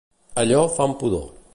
A Llo fan pudor.